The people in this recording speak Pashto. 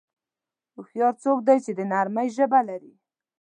هوښیار څوک دی چې د نرمۍ ژبه لري.